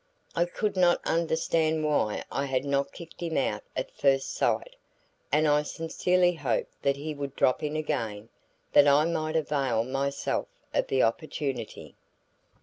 I could not understand why I had not kicked him out at first sight, and I sincerely hoped that he would drop in again, that I might avail myself of the opportunity.